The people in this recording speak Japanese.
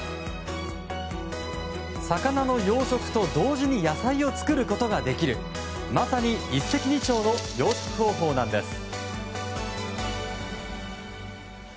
魚の養殖と同時に野菜を作ることができるまさに、一石二鳥の養殖方法なんです。